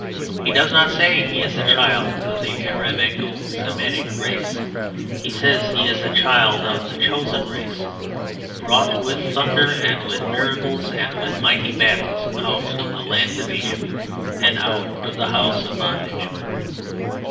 He does not say he is a child of the Aramaico Semitic race. He says he is a child of the Chosen Race, brought with thunder and with miracles and with mighty battles out of the land of Egypt and out of the house of bondage.